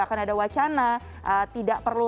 akan ada wacana tidak perlu